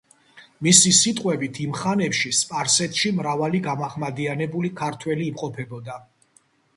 მისი სიტყვებით, იმ ხანებში სპარსეთში მრავალი გამაჰმადიანებული ქართველი იმყოფებოდა.